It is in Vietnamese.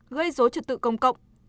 gây dối trật tự công cộng